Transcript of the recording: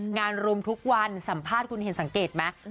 งานรุมทุกวันสัมภาษณ์คุณเห็นสังเกตไหม